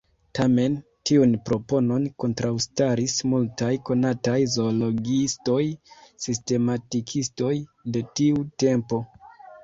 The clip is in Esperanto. Tamen, tiun proponon kontraŭstaris multaj konataj zoologiistoj-sistematikistoj de tiu tempo.